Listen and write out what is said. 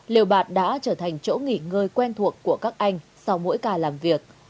lều bạt đã trở thành chỗ nghỉ ngơi quen thuộc của các anh sau mỗi ca làm việc